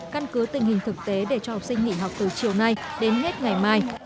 căn cứ tình hình thực tế để cho học sinh nghỉ học từ chiều nay đến hết ngày mai